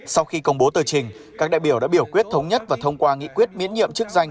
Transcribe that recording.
sau khi công bố tờ trình các đại biểu đã biểu quyết thống nhất và thông qua nghị quyết miễn nhiệm chức danh